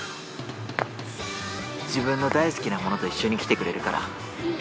自分の大好きなものと一緒に来てくれるから。